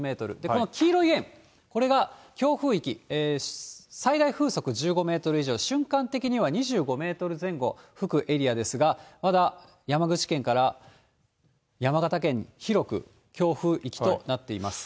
この黄色い円、これが強風域、最大風速１５メートル以上、瞬間的には２５メートル前後吹くエリアですが、まだ山口県から山形県に広く強風域となっています。